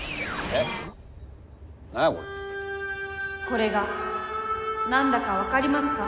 これが何だか分かりますか？